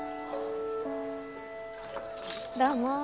どうも。